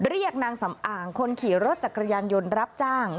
เรียกนางสำอางคนขี่รถจักรยานยนต์รับจ้าง